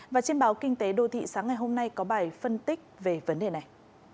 và trên báo kinh tế đô thị sáng ngày hôm nay có bài phân tích về vấn đề này